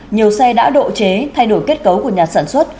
nhiều xe đã độ chế thay đổi kết cấu của nhà sản xuất